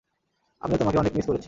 আমিও তোমাকে অনেক মিস করেছি।